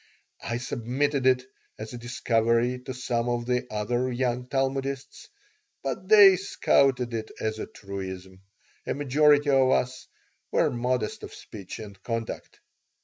I submitted it, as a discovery, to some of the other young Talmudists, but they scouted it as a truism. A majority of us were modest of speech and conduct.